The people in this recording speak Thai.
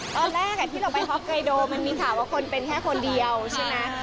ตอนแรกที่เราไปฮอกไกโดมันมีข่าวว่าคนเป็นแค่คนเดียวใช่ไหม